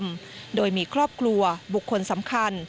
ท่านหน่อยชอบกลัวบุคคลสำคัญ